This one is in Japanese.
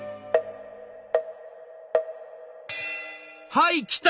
「はいきた！